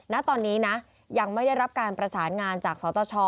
ณตอนนี้นะยังไม่ได้รับการประสานงานจากสตช